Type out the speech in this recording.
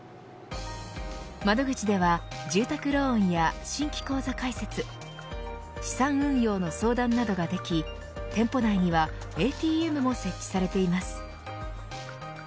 窓口では住宅ローンや新規口座開設資産運用の相談などができ店舗内にはＡＴＭも設置されています。